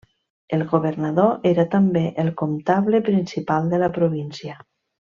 El governador era també el comptable principal de la província.